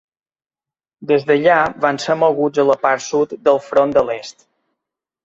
Des d’allà van ser moguts a la part sud del front de l’est.